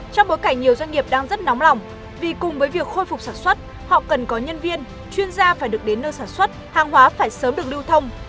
trong bối cảnh nhiều doanh nghiệp đang rất nóng lòng vì cùng với việc khôi phục sản xuất họ cần có nhân viên chuyên gia phải được đến nơi sản xuất hàng hóa phải sớm được lưu thông